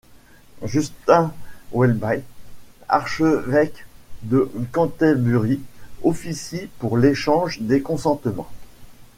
Justin Welby, archevêque de Canterbury, officie pour l'échange des consentements.